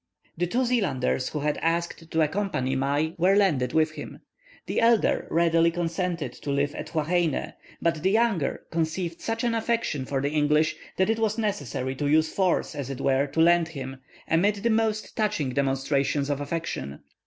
The two Zealanders who had asked to accompany Mai were landed with him. The elder readily consented to live at Huaheine, but the younger conceived such an affection for the English, that it was necessary to use force, as it were, to land him, amid the most touching demonstrations of affection.